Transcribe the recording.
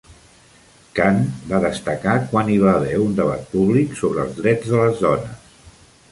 Canth va destacar quan hi va haver un debat públic sobre els drets de les dones.